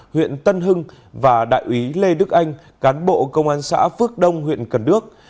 huyện tân hưng và đại úy lê đức anh cán bộ công an xã phước đông huyện cần đước